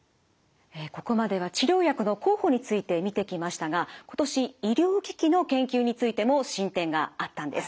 ここまでは治療薬の候補について見てきましたが今年医療機器の研究についても進展があったんです。